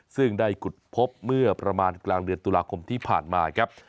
ซึ่งได้ขุดพบเมื่อประมาณกลางเดือนตุลาคมที่ผ่านมาครับ